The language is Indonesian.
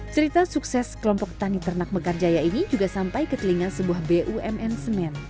cerita sukses kelompok tani ternak mekarjaya ini juga sampai ke telinga sebuah bumn semen